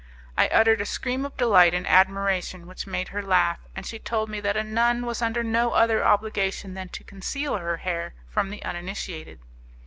I uttered a scream of delight and admiration which made her laugh, and she told me that a nun was under no other obligation than to conceal her hair, from the uninitiated.